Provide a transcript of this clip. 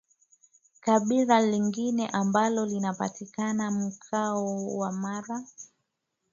Kabila lingine ambalo linapatikana mkoa wa Mara